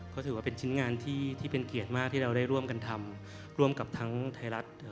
ก็ถือว่าเป็นชิ้นงานที่เป็นเกียรติมากที่เราได้ร่วมกันทำร่วมกับทั้งไทยรัฐ